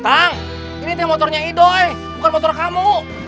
tang ini tem motornya ido eh bukan motor kamu